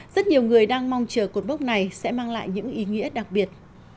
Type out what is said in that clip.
rất nhiều người đang mong chờ cột mốc này sẽ mang lại những ý nghĩa đặc biệt